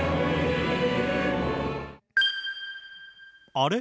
あれ？